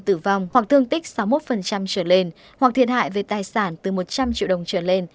tử vong hoặc thương tích sáu mươi một trở lên hoặc thiệt hại về tài sản từ một trăm linh triệu đồng trở lên